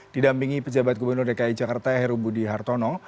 didampingi pejabat gubernur dki jakarta heru budi hartono